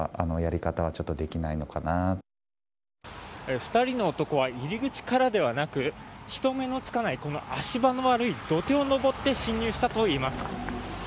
２人の男は入り口からではなく人目のつかない足場の悪い土手を上って侵入したといいます。